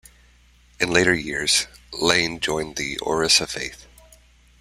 In later years, Layne joined the Orisa faith.